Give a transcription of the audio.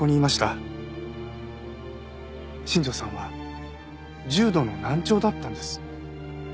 新庄さんは重度の難聴だったんです。